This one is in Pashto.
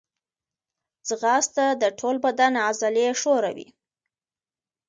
ځغاسته د ټول بدن عضلې ښوروي